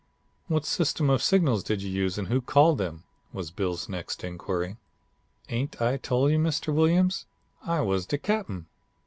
"'What system of signals did you use and who called them?' was Bill's next inquiry. "'Ain't I tole you, Mr. Williams, I was de cap'en.